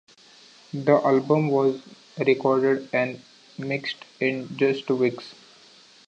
The album was recorded and mixed in just two weeks.